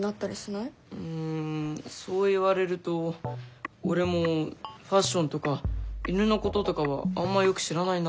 うんそう言われると俺もファッションとか犬のこととかはあんまよく知らないな。